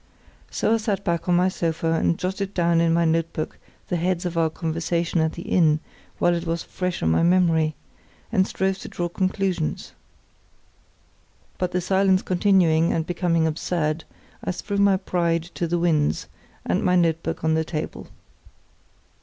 So I sat back on my sofa and jotted down in my notebook the heads of our conversation at the inn while it was fresh in my memory, and strove to draw conclusions. But the silence continuing and becoming absurd, I threw my pride to the winds, and my notebook on the table.